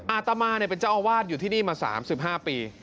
อาตมาเป็นเจ้าอาวาสอยู่ที่นี่มา๓๕ปี